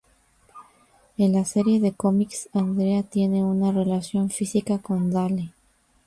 En la serie de cómics, Andrea tiene una relación física con Dale.